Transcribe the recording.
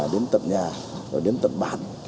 đến tận nhà đến tận bản